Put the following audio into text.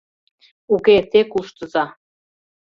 «Уке, те куштыза».